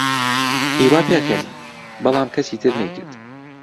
هیوا پێکەنی، بەڵام کەسی تر نەیکرد.